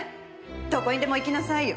どこにでも行きなさいよ。